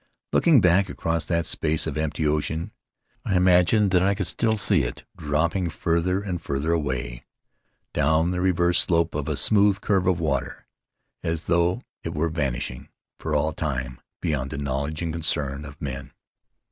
Looking back across that space of empty ocean, I imagined that I could still see it drop ping farther and farther away, down the reverse slope of a smooth curve of water, as though it were vanishing for all time beyond the knowledge and the concern of men.